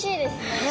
はい。